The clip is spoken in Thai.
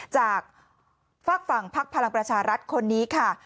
จากฝากฝั่งพักพลังประชารัฐคนนี้ค่ะ